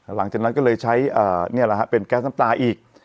หลังจากนั้นก็เลยใช้นี่แหละฮะเป็นแก๊สน้ำตาอีก